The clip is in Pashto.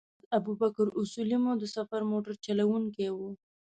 استاد ابوبکر اصولي مو د سفر موټر چلوونکی و.